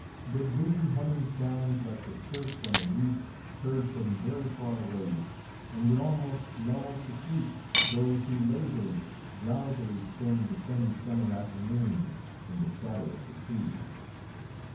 Their busy humming sounds like the surf on a reef heard from very far away, and would almost lull to sleep those who lazily, drowsily spend the sunny summer afternoon in the shadow of the trees.